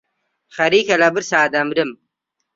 خەریکە لە برسا دەمرم.